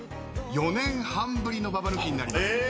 ４年半ぶりのババ抜きになります。